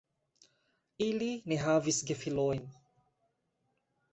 Ili ne havis gefilojn.